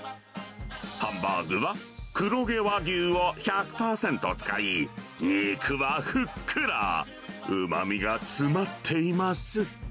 ハンバーグは黒毛和牛を１００％使い、肉はふっくら、うまみが詰まっています。